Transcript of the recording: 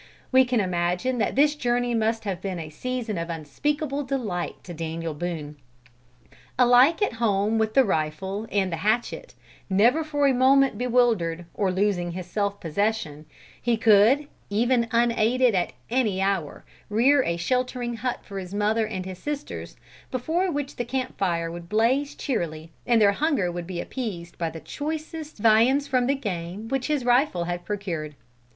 We can imagine that this journey must have been a season of unspeakable delight to Daniel Boone. Alike at home with the rifle and the hatchet, never for a moment bewildered, or losing his self possession, he could, even unaided, at any hour, rear a sheltering hut for his mother and his sisters, before which the camp fire would blaze cheerily, and their hunger would be appeased by the choicest viands from the game which his rifle had procured.